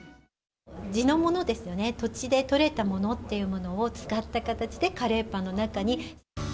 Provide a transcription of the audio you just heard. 地のものですね、土地で取れたものっていうものを使った形で、カレーパンの中に。